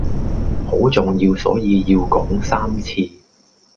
好重要所以要講三次